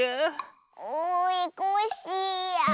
おいコッシーや。